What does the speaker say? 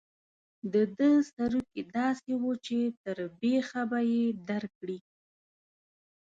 د ده سروکي داسې وو چې تر بېخه به یې درکړي.